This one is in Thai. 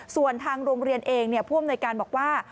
ส่วนทางโรงเรียนเองผู้อำนวยการบอกว่า